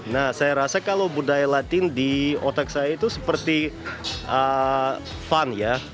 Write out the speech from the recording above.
nah saya rasa kalau budaya latin di otak saya itu seperti fun ya